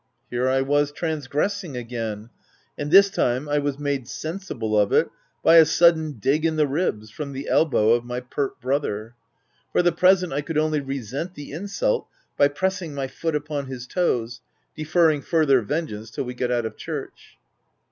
Here I was transgressing again ; and this time I was made sensible of it by a sudden dig in the ribs, from the elbow of my pert brother. For the present, I could only resent the insult by pressing my foot upon his toes, deferring further vengeance till we got out of church.